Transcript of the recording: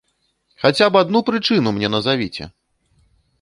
Хаця б адну прычыну мне назавіце!